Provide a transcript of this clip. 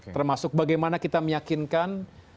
termasuk bagaimana kita meyakinkan